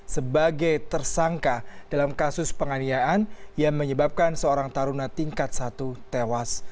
sebagai tersangka dalam kasus penganiayaan yang menyebabkan seorang taruna tingkat satu tewas